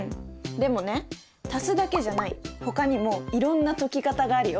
でもね足すだけじゃないほかにもいろんな解き方があるよ。